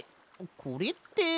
これって。